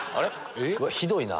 ひどいな。